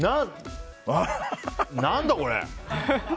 何だこれ？